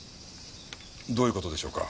どういう事でしょうか？